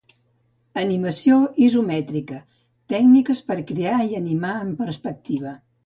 Animació Isomètrica - Tècniques per crear i animar en perspectiva